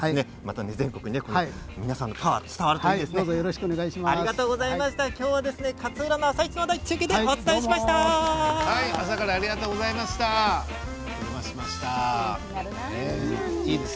全国に皆さんのパワーが伝わるといいですね。